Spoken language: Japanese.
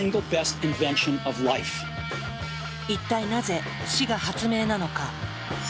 いったいなぜ死が発明なのか。